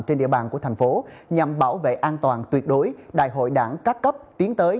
trên địa bàn của thành phố nhằm bảo vệ an toàn tuyệt đối đại hội đảng các cấp tiến tới